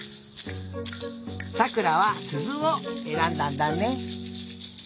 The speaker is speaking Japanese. さくらはすずをえらんだんだね。